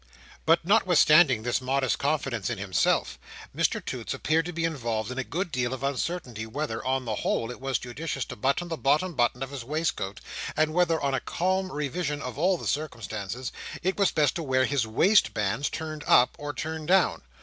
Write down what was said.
But notwithstanding this modest confidence in himself, Mr Toots appeared to be involved in a good deal of uncertainty whether, on the whole, it was judicious to button the bottom button of his waistcoat, and whether, on a calm revision of all the circumstances, it was best to wear his waistbands turned up or turned down.